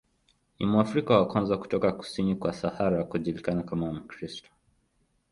Ni Mwafrika wa kwanza kutoka kusini kwa Sahara kujulikana kama Mkristo.